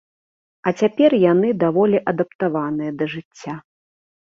А цяпер яны даволі адаптаваныя да жыцця.